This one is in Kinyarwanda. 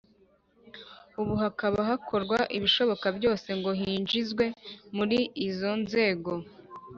ubu hakaba hakorwa ibishoboka byose ngo yinjizwe muri izo nzego.